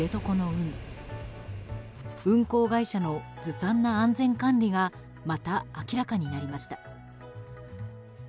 運航会社のずさんな安全管理がまた明らかになりました。